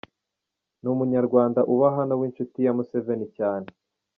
Ni Umunyarwanda uba hano w’inshuti ya Museveni cyane.